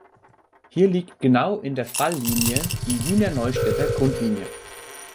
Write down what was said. Hier liegt genau in der Falllinie die Wiener Neustädter Grundlinie.